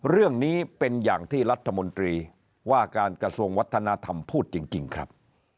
เรื่องนี้เป็นอย่างที่รัฐมนตรีว่าการกระทรวงวัฒนธรรมพูดจริงครับ